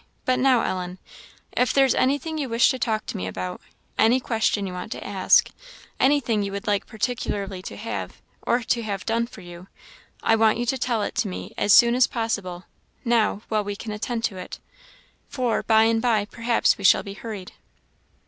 But now, Ellen, if there is anything you wish to talk to me about, any question you want to ask, anything you would like particularly to have, or to have done for you I want you to tell it me as soon as possible, now, while we can attend to it for by and by perhaps we shall be hurried."